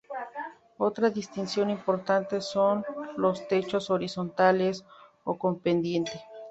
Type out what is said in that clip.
Otra distinción importante son los techos horizontales o con pendiente.